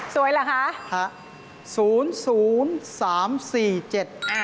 สวยเหรอคะ